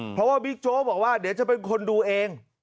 เพราะว่าบิ๊กโจ๊กบอกว่าเดี๋ยวจะเป็นคนดูเอง